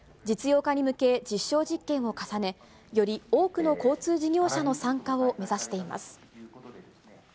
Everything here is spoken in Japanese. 実用化に向け、実証実験を重ね、より多くの交通事業者の参加を目指しています。